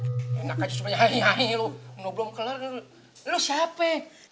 enak aja cuma nyahe nyahe lo lo belum kelar lo siapa